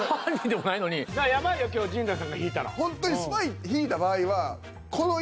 やばいよ今日陣内さんが引いたら。